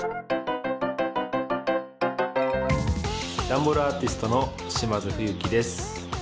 ダンボールアーティストの島津冬樹です。